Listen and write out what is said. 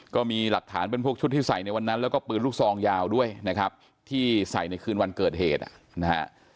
ก็มีหลักฐานเป็นพวกชุดที่ใส่ในวันนั้นแล้วก็ปืนลูกซองยาวด้วยนะครับที่ใส่ในคืนวันเกิดเหตุนะฮะ